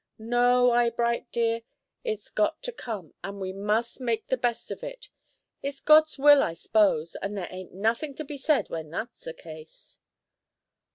No, Eyebright dear; it's got to come, and we must make the best of it. It's God's will I s'pose, and there ain't nothing to be said when that's the case."